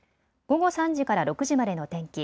午後３時から６時までの天気。